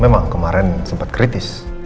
memang kemarin sempet kritis